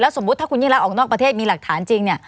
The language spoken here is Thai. แล้วสมมุติถ้าคุณเงียนรักออกนอกประเทศมีหลักฐานจริง